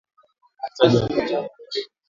Uambukizaji wa ugonjwa wa mkojo